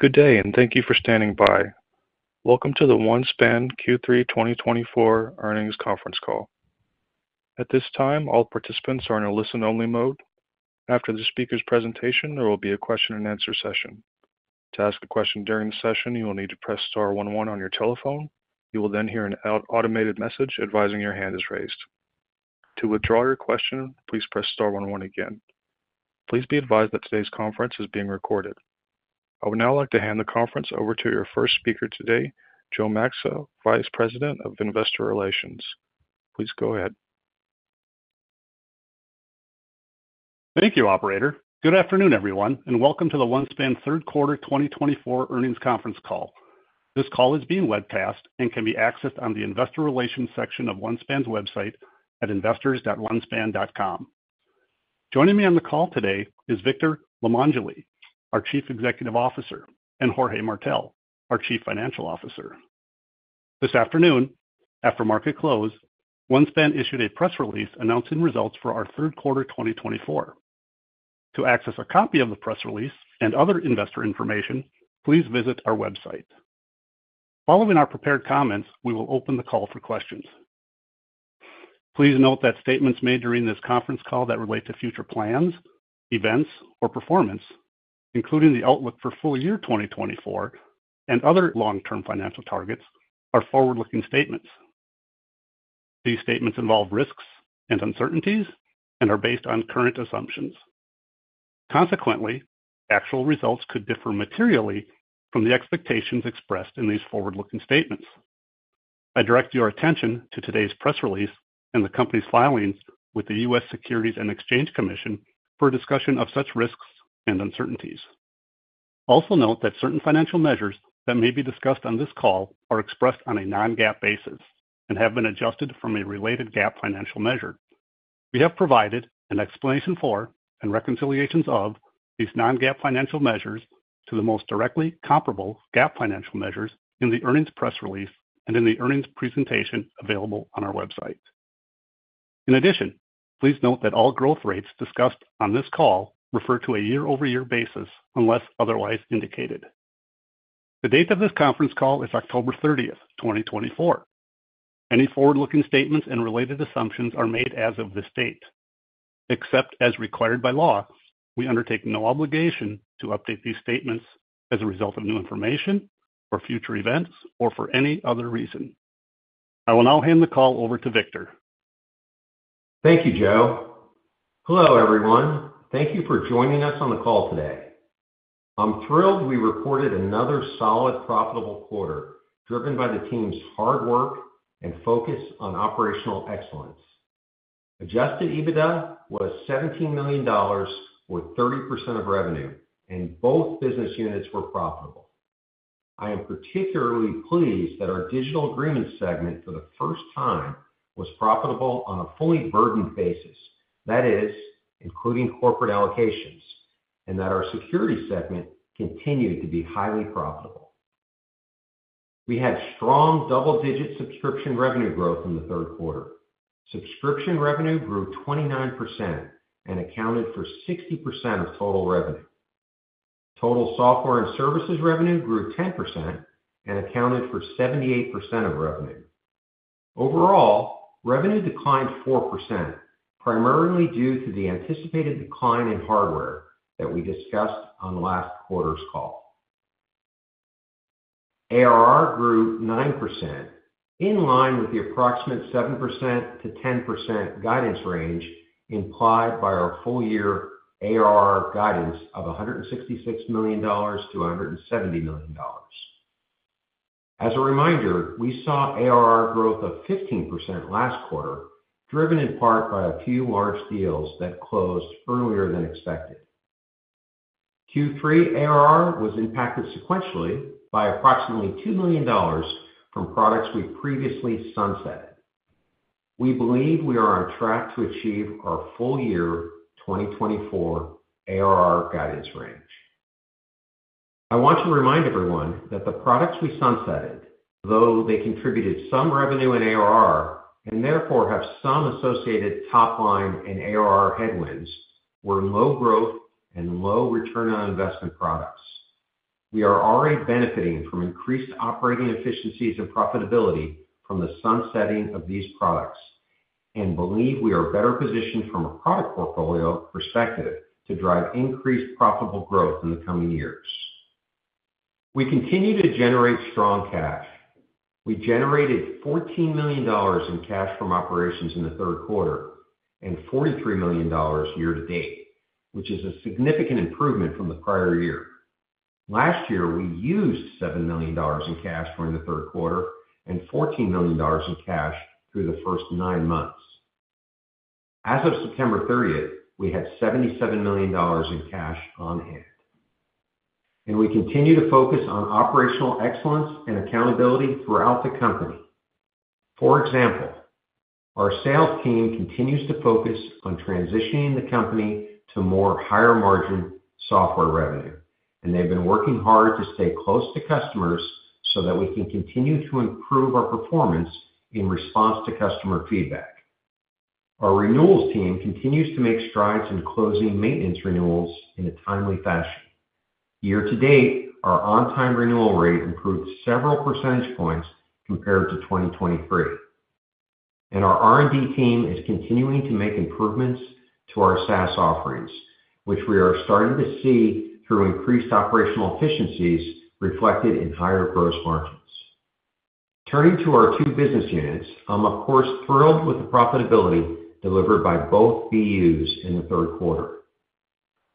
Good day, and thank you for standing by. Welcome to the OneSpan Q3 2024 earnings conference call. At this time, all participants are in a listen-only mode. After the speaker's presentation, there will be a question-and-answer session. To ask a question during the session, you will need to press star one one on your telephone. You will then hear an automated message advising your hand is raised. To withdraw your question, please press star one one again. Please be advised that today's conference is being recorded. I would now like to hand the conference over to your first speaker today, Joe Maxa, Vice President of Investor Relations. Please go ahead. Thank you, Operator. Good afternoon, everyone, and welcome to the OneSpan Q3 2024 earnings conference call. This call is being webcast and can be accessed on the Investor Relations section of OneSpan's website at investors.onespan.com. Joining me on the call today is Victor Limongelli, our Chief Executive Officer, and Jorge Martell, our Chief Financial Officer. This afternoon, after market close, OneSpan issued a press release announcing results for our Q3 2024. To access a copy of the press release and other investor information, please visit our website. Following our prepared comments, we will open the call for questions. Please note that statements made during this conference call that relate to future plans, events, or performance, including the outlook for full year 2024 and other long-term financial targets, are forward-looking statements. These statements involve risks and uncertainties and are based on current assumptions. Consequently, actual results could differ materially from the expectations expressed in these forward-looking statements. I direct your attention to today's press release and the company's filings with the U.S. Securities and Exchange Commission for a discussion of such risks and uncertainties. Also note that certain financial measures that may be discussed on this call are expressed on a non-GAAP basis and have been adjusted from a related GAAP financial measure. We have provided an explanation for, and reconciliations of, these non-GAAP financial measures to the most directly comparable GAAP financial measures in the earnings press release and in the earnings presentation available on our website. In addition, please note that all growth rates discussed on this call refer to a year-over-year basis unless otherwise indicated. The date of this conference call is October 30, 2024. Any forward-looking statements and related assumptions are made as of this date. Except as required by law, we undertake no obligation to update these statements as a result of new information, for future events, or for any other reason. I will now hand the call over to Victor. Thank you, Joe. Hello, everyone. Thank you for joining us on the call today. I'm thrilled we reported another solid, profitable quarter driven by the team's hard work and focus on operational excellence. Adjusted EBITDA was $17 million, or 30% of revenue, and both business units were profitable. I am particularly pleased that our Digital Agreements segment, for the first time, was profitable on a fully burdened basis, that is, including corporate allocations, and that our Security segment continued to be highly profitable. We had strong double-digit subscription revenue growth in the third quarter. subscription revenue grew 29% and accounted for 60% of total revenue. Total software and services revenue grew 10% and accounted for 78% of revenue. Overall, revenue declined 4%, primarily due to the anticipated decline in hardware that we discussed on last quarter's call. ARR grew 9%, in line with the approximate 7%-10% guidance range implied by our full-year ARR guidance of $166 million-$170 million. As a reminder, we saw ARR growth of 15% last quarter, driven in part by a few large deals that closed earlier than expected. Q3 ARR was impacted sequentially by approximately $2 million from products we previously sunsetted. We believe we are on track to achieve our full-year 2024 ARR guidance range. I want to remind everyone that the products we sunsetted, though they contributed some revenue in ARR and therefore have some associated top-line and ARR headwinds, were low-growth and low-return-on-investment products. We are already benefiting from increased operating efficiencies and profitability from the sunsetting of these products and believe we are better positioned from a product portfolio perspective to drive increased profitable growth in the coming years. We continue to generate strong cash. We generated $14 million in cash from operations in the third quarter and $43 million year-to-date, which is a significant improvement from the prior year. Last year, we used $7 million in cash during the third quarter and $14 million in cash through the first nine months. As of September 30, we had $77 million in cash on hand. And we continue to focus on operational excellence and accountability throughout the company. For example, our sales team continues to focus on transitioning the company to more higher-margin software revenue, and they've been working hard to stay close to customers so that we can continue to improve our performance in response to customer feedback. Our renewals team continues to make strides in closing maintenance renewals in a timely fashion. Year-to-date, our on-time renewal rate improved several percentage points compared to 2023. Our R&D team is continuing to make improvements to our SaaS offerings, which we are starting to see through increased operational efficiencies reflected in higher gross margins. Turning to our two business units, I'm, of course, thrilled with the profitability delivered by both BUs in the third quarter.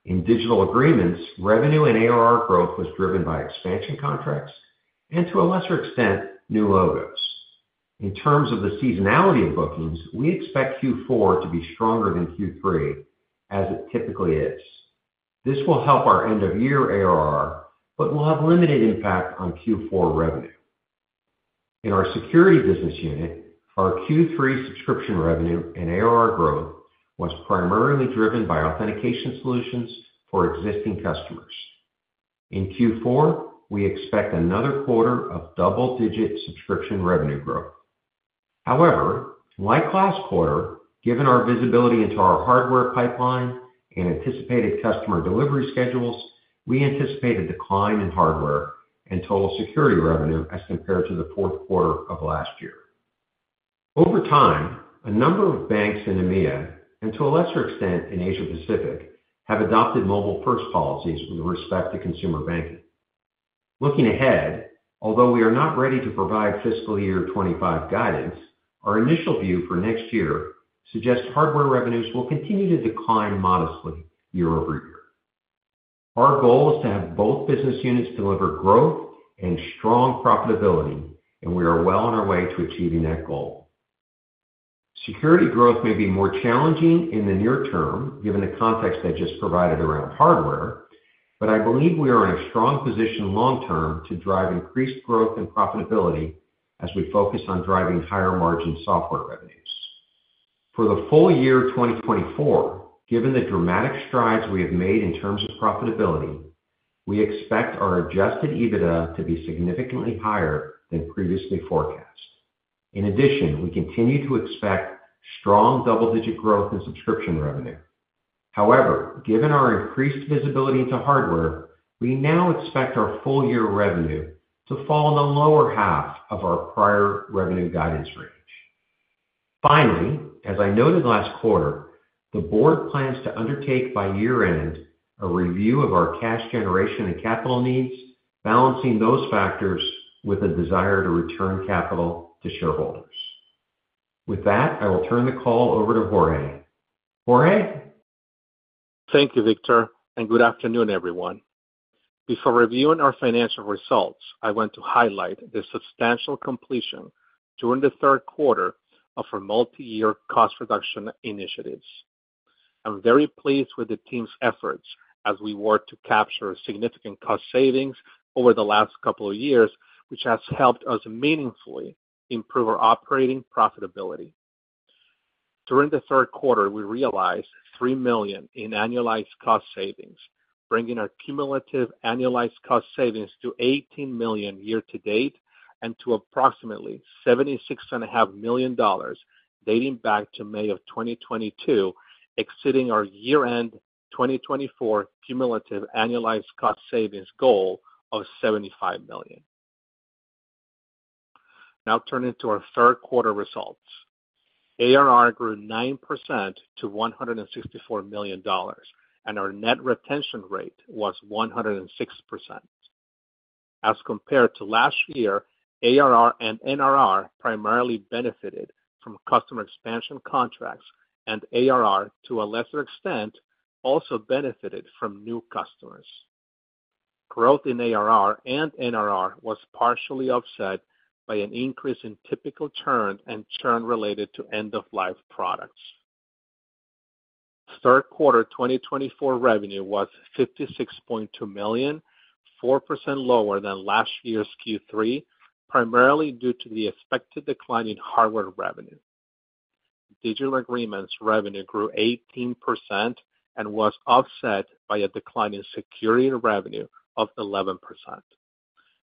In Digital Agreements, revenue and ARR growth was driven by expansion contracts and, to a lesser extent, new logos. In terms of the seasonality of bookings, we expect Q4 to be stronger than Q3, as it typically is. This will help our end-of-year ARR, but will have limited impact on Q4 revenue. In our Security business unit, our Q3 subscription revenue and ARR growth was primarily driven by authentication solutions for existing customers. In Q4, we expect another quarter of double-digit subscription revenue growth. However, like last quarter, given our visibility into our hardware pipeline and anticipated customer delivery schedules, we anticipate a decline in hardware and total Security revenue as compared to the fourth quarter of last year. Over time, a number of banks in EMEA and, to a lesser extent, in Asia-Pacific have adopted mobile-first policies with respect to consumer banking. Looking ahead, although we are not ready to provide fiscal year 2025 guidance, our initial view for next year suggests hardware revenues will continue to decline modestly year-over-year. Our goal is to have both business units deliver growth and strong profitability, and we are well on our way to achieving that goal. Security growth may be more challenging in the near term given the context I just provided around hardware, but I believe we are in a strong position long-term to drive increased growth and profitability as we focus on driving higher-margin software revenues. For the full year 2024, given the dramatic strides we have made in terms of profitability, we expect our Adjusted EBITDA to be significantly higher than previously forecast. In addition, we continue to expect strong double-digit growth in subscription revenue. However, given our increased visibility into hardware, we now expect our full-year revenue to fall in the lower half of our prior revenue guidance range. Finally, as I noted last quarter, the board plans to undertake, by year-end, a review of our cash generation and capital needs, balancing those factors with a desire to return capital to shareholders. With that, I will turn the call over to Jorge. Jorge? Thank you, Victor, and good afternoon, everyone. Before reviewing our financial results, I want to highlight the substantial completion during the third quarter of our multi-year cost reduction initiatives. I'm very pleased with the team's efforts as we worked to capture significant cost savings over the last couple of years, which has helped us meaningfully improve our operating profitability. During the third quarter, we realized $3 million in annualized cost savings, bringing our cumulative annualized cost savings to $18 million year-to-date and to approximately $76.5 million dating back to May of 2022, exceeding our year-end 2024 cumulative annualized cost savings goal of $75 million. Now, turning to our third quarter results, ARR grew 9% to $164 million, and our net retention rate was 106%. As compared to last year, ARR and NRR primarily benefited from customer expansion contracts, and ARR, to a lesser extent, also benefited from new customers. Growth in ARR and NRR was partially offset by an increase in typical churn and churn related to end-of-life products. Third quarter 2024 revenue was $56.2 million, 4% lower than last year's Q3, primarily due to the expected decline in hardware revenue. Digital Agreements revenue grew 18% and was offset by a decline in Security revenue of 11%.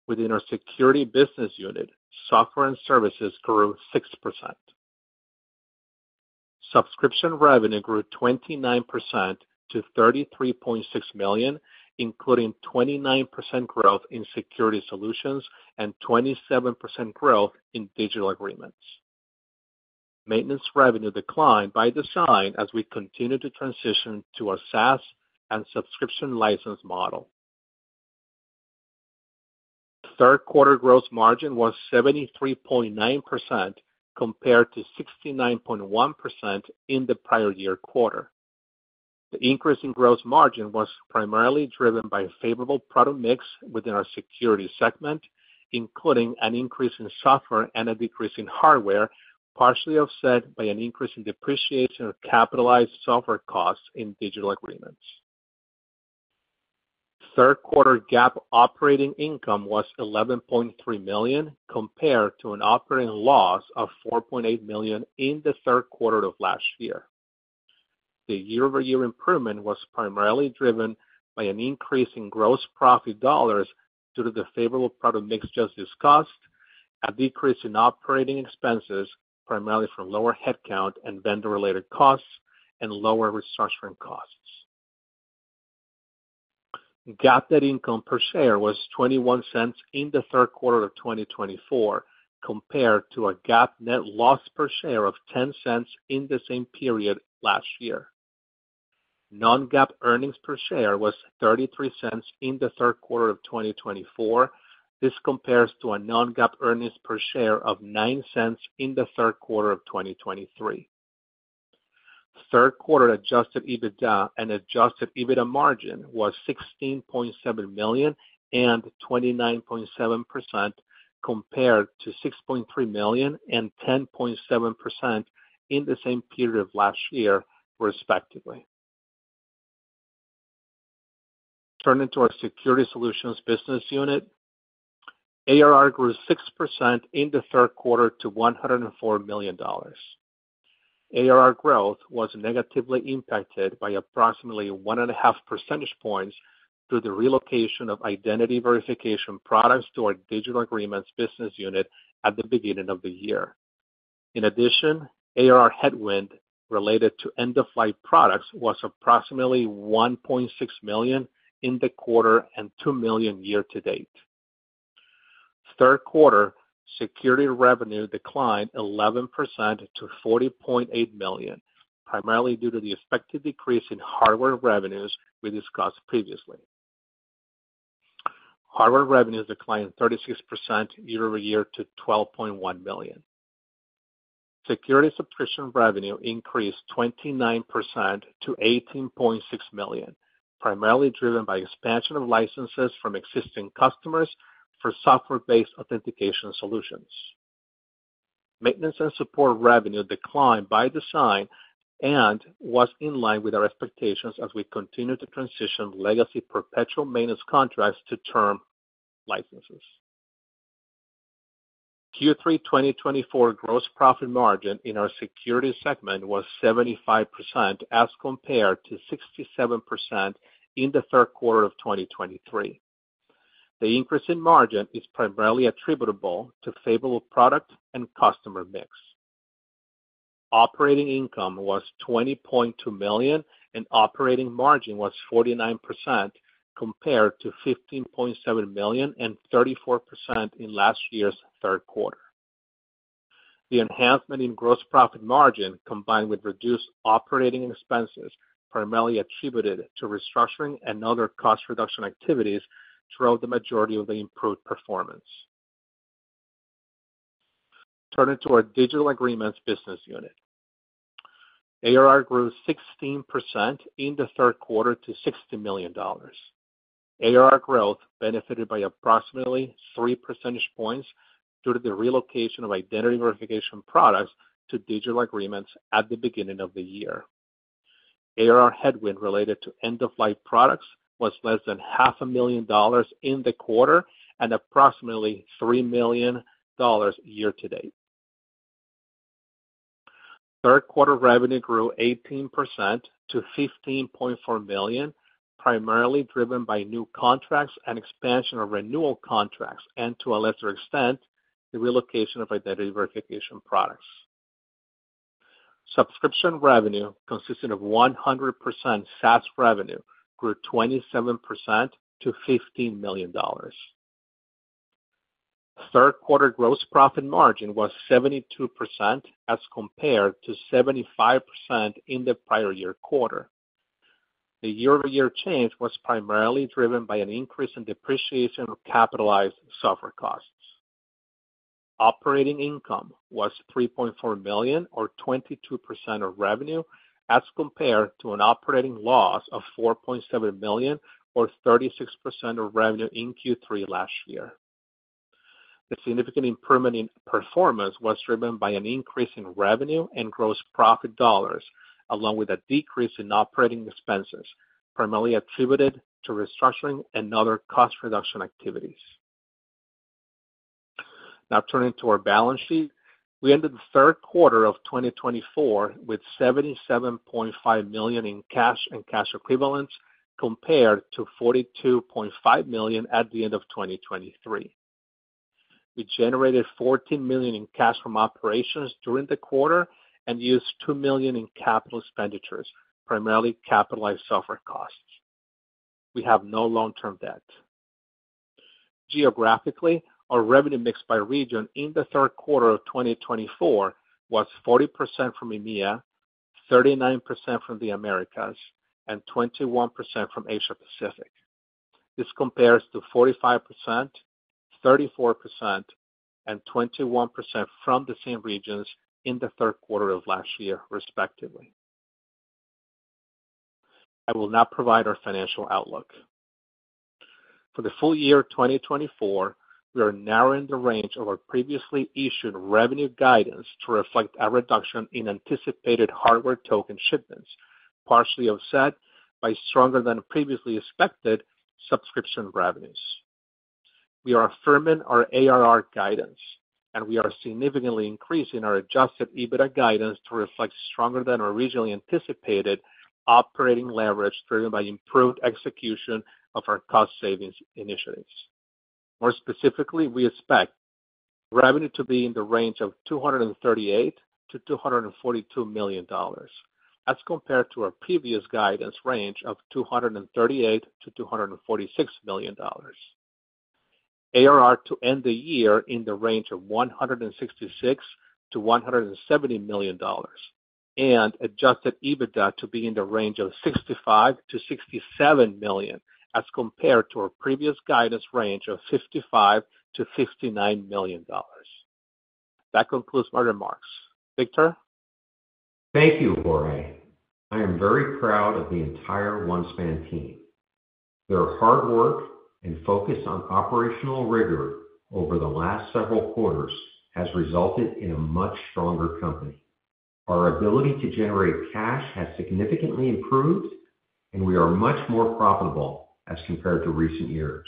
Within our Security business unit, software and services grew 6%. subscription revenue grew 29% to $33.6 million, including 29% growth in Security Solutions and 27% growth in Digital Agreements. Maintenance revenue declined by design as we continued to transition to our SaaS and subscription license model. Third quarter gross margin was 73.9% compared to 69.1% in the prior year quarter. The increase in gross margin was primarily driven by a favorable product mix within our Security segment, including an increase in software and a decrease in hardware, partially offset by an increase in depreciation of capitalized software costs in Digital Agreements. Third quarter GAAP operating income was $11.3 million compared to an operating loss of $4.8 million in the third quarter of last year. The year-over-year improvement was primarily driven by an increase in gross profit dollars due to the favorable product mix just discussed, a decrease in operating expenses primarily from lower headcount and vendor-related costs, and lower restructuring costs. GAAP net income per share was $0.21 in the third quarter of 2024 compared to a GAAP net loss per share of $0.10 in the same period last year. Non-GAAP earnings per share was $0.33 in the third quarter of 2024. This compares to a non-GAAP earnings per share of $0.09 in the third quarter of 2023. Third quarter adjusted EBITDA and adjusted EBITDA margin was $16.7 million and 29.7% compared to $6.3 million and 10.7% in the same period of last year, respectively. Turning to our Security Solutions business unit, ARR grew 6% in the third quarter to $104 million. ARR growth was negatively impacted by approximately 1.5 percentage points through the relocation of Identity Verification products to our Digital Agreements business unit at the beginning of the year. In addition, ARR headwind related to end-of-life products was approximately $1.6 million in the quarter and $2 million year-to-date. Third quarter Security revenue declined 11% to $40.8 million, primarily due to the expected decrease in hardware revenues we discussed previously. Hardware revenues declined 36% year-over-year to $12.1 million. Security subscription revenue increased 29% to $18.6 million, primarily driven by expansion of licenses from existing customers for software-based authentication solutions. Maintenance and support revenue declined by design and was in line with our expectations as we continued to transition legacy perpetual maintenance contracts to term licenses. Q3 2024 gross profit margin in our Security segment was 75% as compared to 67% in the third quarter of 2023. The increase in margin is primarily attributable to favorable product and customer mix. Operating income was $20.2 million, and operating margin was 49% compared to $15.7 million and 34% in last year's third quarter. The enhancement in gross profit margin combined with reduced operating expenses primarily attributed to restructuring and other cost reduction activities drove the majority of the improved performance. Turning to our Digital Agreements business unit, ARR grew 16% in the third quarter to $60 million. ARR growth benefited by approximately three percentage points due to the relocation of Identity Verification products to Digital Agreements at the beginning of the year. ARR headwind related to end-of-life products was less than $500,000 in the quarter and approximately $3 million year-to-date. Third quarter revenue grew 18% to $15.4 million, primarily driven by new contracts and expansion of renewal contracts, and to a lesser extent, the relocation of Identity Verification products. subscription revenue consisting of 100% SaaS revenue grew 27% to $15 million. Third quarter gross profit margin was 72% as compared to 75% in the prior year quarter. The year-over-year change was primarily driven by an increase in depreciation of capitalized software costs. Operating income was $3.4 million, or 22% of revenue, as compared to an operating loss of $4.7 million, or 36% of revenue in Q3 last year. The significant improvement in performance was driven by an increase in revenue and gross profit dollars, along with a decrease in operating expenses, primarily attributed to restructuring and other cost reduction activities. Now, turning to our balance sheet, we ended the third quarter of 2024 with $77.5 million in cash and cash equivalents compared to $42.5 million at the end of 2023. We generated $14 million in cash from operations during the quarter and used $2 million in capital expenditures, primarily capitalized software costs. We have no long-term debt. Geographically, our revenue mix by region in the third quarter of 2024 was 40% from EMEA, 39% from the Americas, and 21% from Asia-Pacific. This compares to 45%, 34%, and 21% from the same regions in the third quarter of last year, respectively. I will now provide our financial outlook. For the full year 2024, we are narrowing the range of our previously issued revenue guidance to reflect our reduction in anticipated hardware token shipments, partially offset by stronger-than-previously-expected subscription revenues. We are affirming our ARR guidance, and we are significantly increasing our adjusted EBITDA guidance to reflect stronger-than-originally-anticipated operating leverage driven by improved execution of our cost savings initiatives. More specifically, we expect revenue to be in the range of $238 million-$242 million as compared to our previous guidance range of $238 million-$246 million. ARR to end the year in the range of $166 million-$170 million and adjusted EBITDA to be in the range of $65 million-$67 million as compared to our previous guidance range of $55 million-$59 million. That concludes my remarks. Victor? Thank you, Jorge. I am very proud of the entire OneSpan team. Their hard work and focus on operational rigor over the last several quarters has resulted in a much stronger company. Our ability to generate cash has significantly improved, and we are much more profitable as compared to recent years.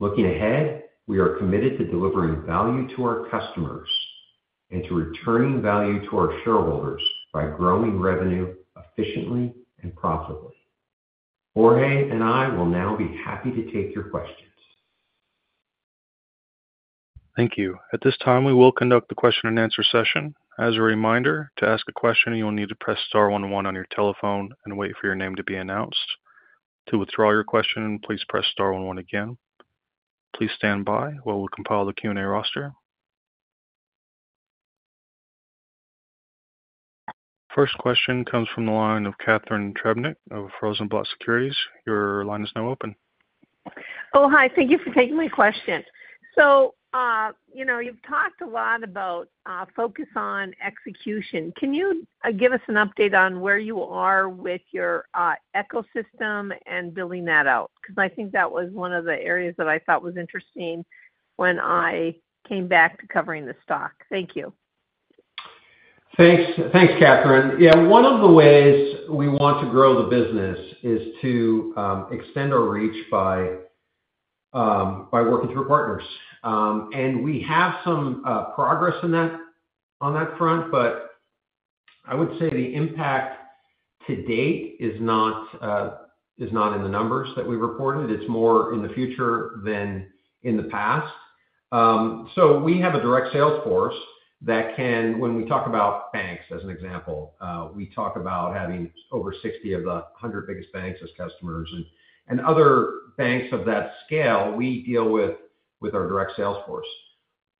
Looking ahead, we are committed to delivering value to our customers and to returning value to our shareholders by growing revenue efficiently and profitably. Jorge and I will now be happy to take your questions. Thank you. At this time, we will conduct the question-and-answer session. As a reminder, to ask a question, you'll need to press star one one on your telephone and wait for your name to be announced. To withdraw your question, please press star one one again. Please stand by while we compile the Q&A roster. First question comes from the line of Catharine Trebnick of Rosenblatt Securities. Your line is now open. Oh, hi. Thank you for taking my question. So, you know, you've talked a lot about focus on execution. Can you give us an update on where you are with your ecosystem and building that out? Because I think that was one of the areas that I thought was interesting when I came back to covering the stock. Thank you. Thanks, Catharine. Yeah, one of the ways we want to grow the business is to extend our reach by working through partners. And we have some progress in that on that front, but I would say the impact to date is not in the numbers that we've reported. It's more in the future than in the past. So we have a direct sales force that can, when we talk about banks as an example, we talk about having over 60 of the 100 biggest banks as customers. And other banks of that scale, we deal with our direct sales force.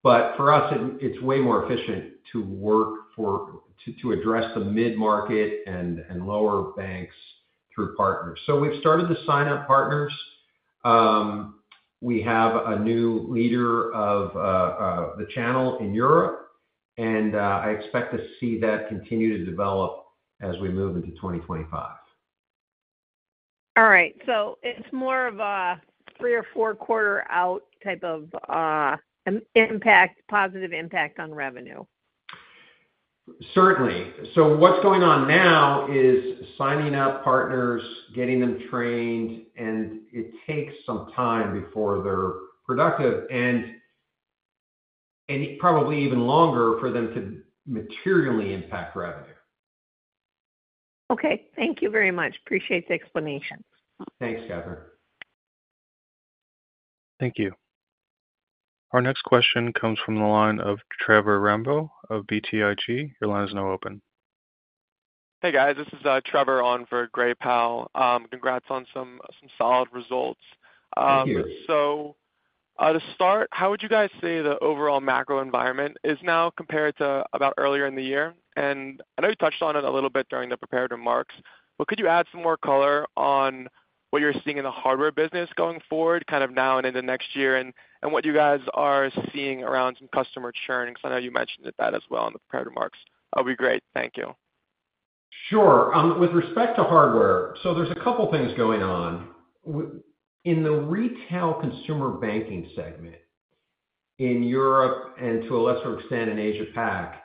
But for us, it's way more efficient to work for, to address the mid-market and lower banks through partners. So we've started to sign up partners. We have a new leader of the channel in Europe, and I expect to see that continue to develop as we move into 2025. All right. So it's more of a three or four quarter out type of impact, positive impact on revenue. Certainly, so what's going on now is signing up partners, getting them trained, and it takes some time before they're productive and probably even longer for them to materially impact revenue. Okay. Thank you very much. Appreciate the explanation. Thanks, Catherine. Thank you. Our next question comes from the line of Trevor Rambo of BTIG. Your line is now open. Hey, guys. This is Trevor on for Gray Powell. Congrats on some solid results. Thank you. So to start, how would you guys say the overall macro environment is now compared to about earlier in the year? And I know you touched on it a little bit during the prepared remarks, but could you add some more color on what you're seeing in the hardware business going forward, kind of now and into next year, and what you guys are seeing around some customer churn? Because I know you mentioned that as well in the prepared remarks. That would be great. Thank you. Sure. With respect to hardware, so there's a couple of things going on. In the retail consumer banking segment in Europe and to a lesser extent in Asia-Pac,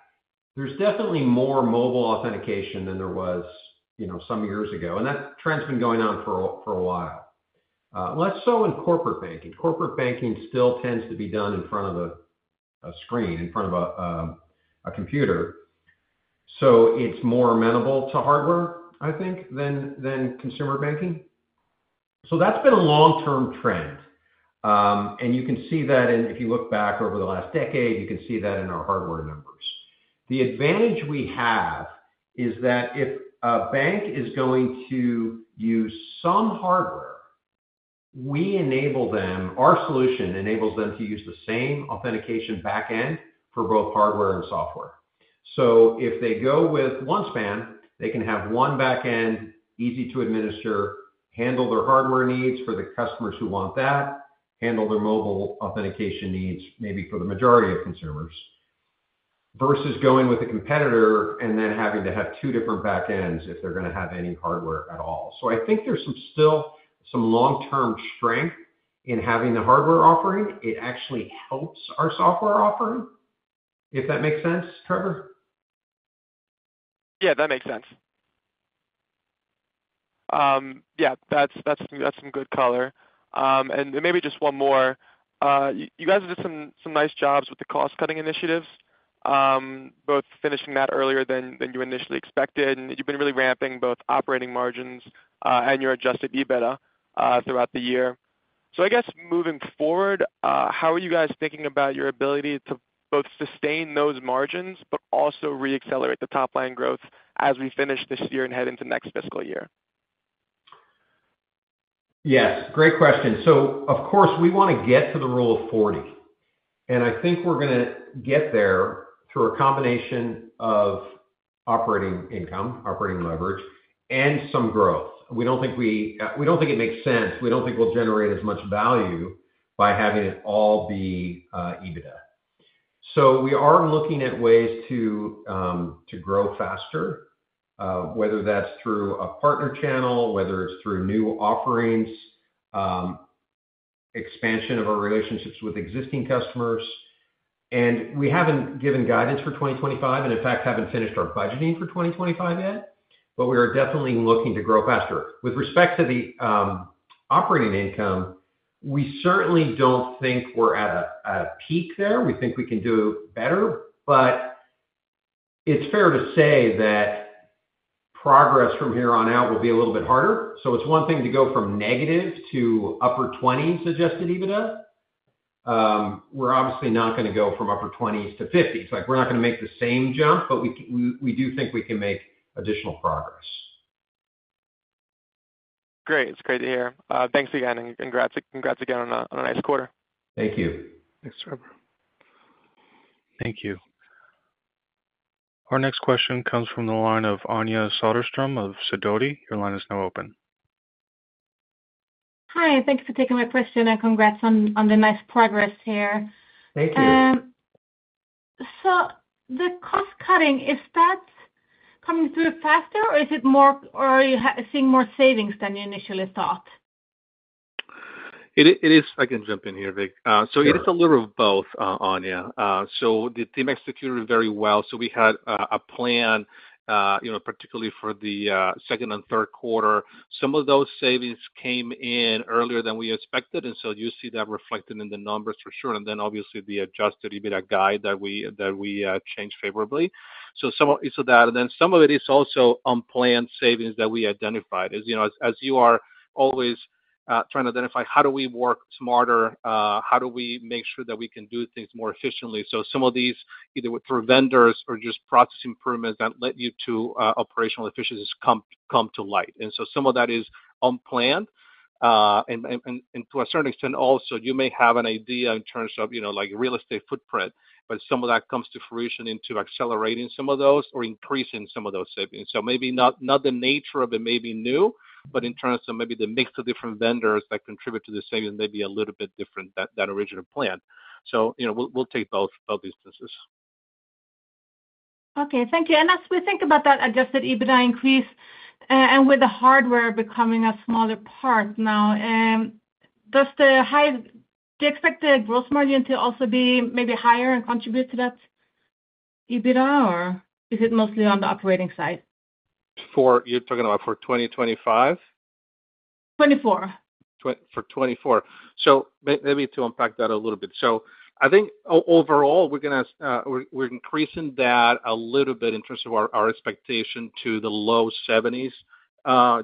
there's definitely more mobile authentication than there was some years ago. And that trend's been going on for a while. Less so in corporate banking. Corporate banking still tends to be done in front of a screen, in front of a computer. So it's more amenable to hardware, I think, than consumer banking. So that's been a long-term trend. And you can see that in, if you look back over the last decade, you can see that in our hardware numbers. The advantage we have is that if a bank is going to use some hardware, we enable them, our solution enables them to use the same authentication backend for both hardware and software. So if they go with OneSpan, they can have one backend, easy to administer, handle their hardware needs for the customers who want that, handle their mobile authentication needs, maybe for the majority of consumers, versus going with a competitor and then having to have two different backends if they're going to have any hardware at all. So I think there's still some long-term strength in having the hardware offering. It actually helps our software offering. If that makes sense, Trevor? Yeah, that makes sense. Yeah, that's some good color. And maybe just one more. You guys have done some nice jobs with the cost-cutting initiatives, both finishing that earlier than you initially expected. And you've been really ramping both operating margins and your Adjusted EBITDA throughout the year. So I guess moving forward, how are you guys thinking about your ability to both sustain those margins but also re-accelerate the top-line growth as we finish this year and head into next fiscal year? Yes. Great question. So of course, we want to get to the Rule of 40. And I think we're going to get there through a combination of operating income, operating leverage, and some growth. We don't think it makes sense. We don't think we'll generate as much value by having it all be EBITDA. So we are looking at ways to grow faster, whether that's through a partner channel, whether it's through new offerings, expansion of our relationships with existing customers. And we haven't given guidance for 2025 and, in fact, haven't finished our budgeting for 2025 yet, but we are definitely looking to grow faster. With respect to the operating income, we certainly don't think we're at a peak there. We think we can do better, but it's fair to say that progress from here on out will be a little bit harder. So it's one thing to go from negative to upper 20s Adjusted EBITDA. We're obviously not going to go from upper 20s-50s. We're not going to make the same jump, but we do think we can make additional progress. Great. It's great to hear. Thanks again, and congrats again on a nice quarter. Thank you. Thanks, Trevor. Thank you. Our next question comes from the line of Anja Soderstrom of Sidoti. Your line is now open. Hi. Thanks for taking my question, and congrats on the nice progress here. Thank you. So the cost-cutting, is that coming through faster, or is it more or are you seeing more savings than you initially thought? It is. I can jump in here, Vic. So it is a little bit of both, Anja. So the team executed very well. So we had a plan, particularly for the second and third quarter. Some of those savings came in earlier than we expected. And so you see that reflected in the numbers for sure. And then, obviously, the Adjusted EBITDA guide that we changed favorably. So some of it is that. And then some of it is also unplanned savings that we identified. As you are always trying to identify, how do we work smarter? How do we make sure that we can do things more efficiently? So some of these, either through vendors or just process improvements that led you to operational efficiencies come to light. And so some of that is unplanned. And to a certain extent, also, you may have an idea in terms of real estate footprint, but some of that comes to fruition into accelerating some of those or increasing some of those savings. So maybe not the nature of it may be new, but in terms of maybe the mix of different vendors that contribute to the savings may be a little bit different than originally planned. So we'll take both instances. Okay. Thank you and as we think about that Adjusted EBITDA increase and with the hardware becoming a smaller part now, does the expected gross margin also be maybe higher and contribute to that EBITDA, or is it mostly on the operating side? So you're talking about for 2025? 2024. For 2024. So maybe to unpack that a little bit. So I think overall, we're increasing that a little bit in terms of our expectation to the low 70s,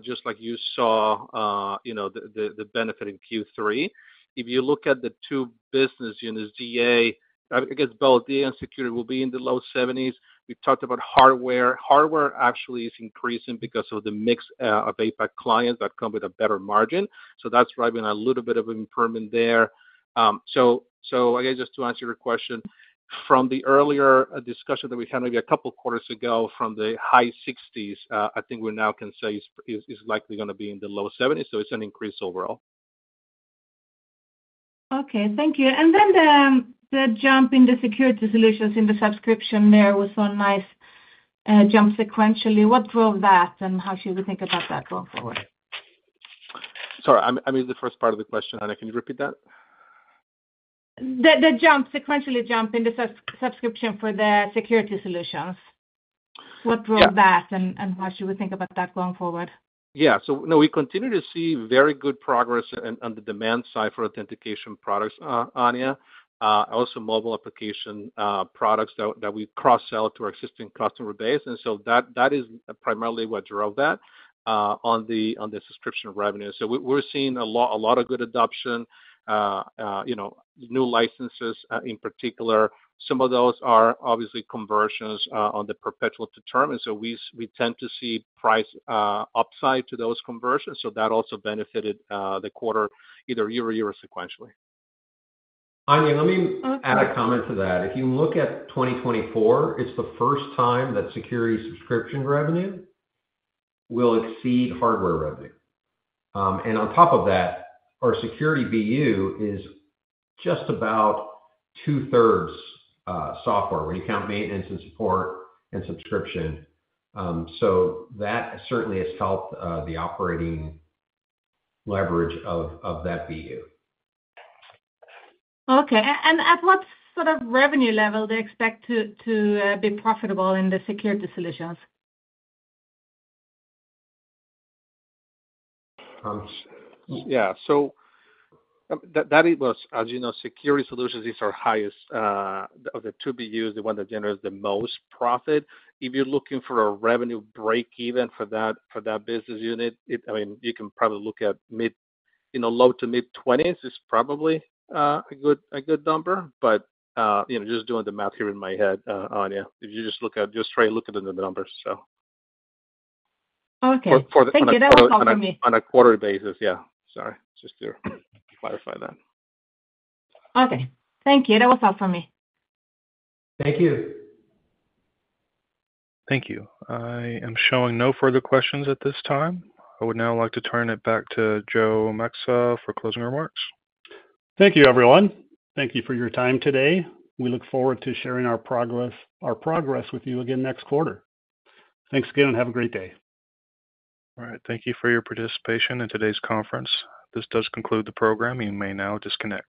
just like you saw the benefit in Q3. If you look at the two business units, DA, I guess both DA and Security will be in the low 70s. We talked about hardware. Hardware actually is increasing because of the mix of APAC clients that come with a better margin. So that's driving a little bit of improvement there. So I guess just to answer your question, from the earlier discussion that we had maybe a couple of quarters ago from the high 60s, I think we now can say is likely going to be in the low 70s. So it's an increase overall. Okay. Thank you. And then the jump in the Security Solutions in the subscription there was a nice jump sequentially. What drove that, and how should we think about that going forward? Sorry. I missed the first part of the question. Anja, can you repeat that? The sequential jump in the subscription for the Security Solutions. What drove that, and how should we think about that going forward? Yeah. So no, we continue to see very good progress on the demand side for authentication products, Anja. Also, mobile application products that we cross-sell to our existing customer base, and so that is primarily what drove that on the subscription revenue, so we're seeing a lot of good adoption, new licenses in particular. Some of those are obviously conversions on the perpetual to term, and so we tend to see price upside to those conversions, so that also benefited the quarter either year or year or sequentially. Anja, let me add a comment to that. If you look at 2024, it's the first time that Security subscription revenue will exceed hardware revenue. And on top of that, our Security BU is just about two-thirds software when you count maintenance and support and subscription. So that certainly has helped the operating leverage of that BU. Okay, and at what sort of revenue level do you expect to be profitable in the Security Solutions? Yeah. So that was, as you know, Security Solutions is our highest of the two BUs, the one that generates the most profit. If you're looking for a revenue break-even for that business unit, I mean, you can probably look at mid-low to mid-20s is probably a good number. But just doing the math here in my head, Anja, if you just try to look at the numbers, so. Okay. Thank you. That was all for me. On a quarterly basis, yeah. Sorry. Just to clarify that. Okay. Thank you. That was all for me. Thank you. Thank you. I am showing no further questions at this time. I would now like to turn it back to Joe Maxa for closing remarks. Thank you, everyone. Thank you for your time today. We look forward to sharing our progress with you again next quarter. Thanks again, and have a great day. All right. Thank you for your participation in today's conference. This does conclude the program. You may now disconnect.